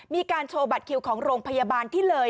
มีการโชว์บัตรคิวของโรงพยาบาลที่เลย